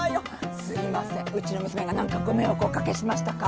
すいませんうちの娘が何かご迷惑をおかけしましたか？